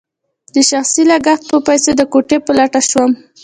د شخصي لګښت په پیسو د کوټې په لټه شوم.